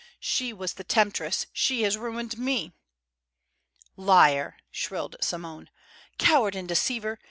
She was the temptress. She has ruined me." "Liar!" shrilled Simone. "Coward and deceiver!